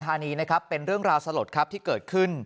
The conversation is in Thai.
ธานีนะครับเป็นเรื่องราวสลดครับที่เกิดขึ้น